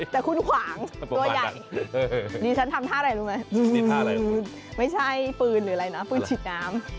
แต่คุณขวางตัวใหญ่ดิฉันทำท่าอะไรรู้ไหมไม่ใช่ปืนหรืออะไรนะปืนฉีดน้ำ